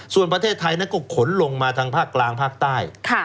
ส่วนประเทศไทยนั้นก็ขนลงมาทางภาคกลางภาคใต้